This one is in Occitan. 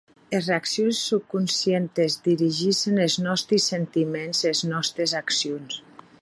Es reaccions subconscientes dirigissen es nòsti sentiments e es nòstes accions.